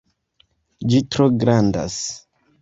Ĝi tro grandas